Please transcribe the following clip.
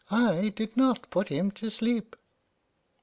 I did not put him to sleep."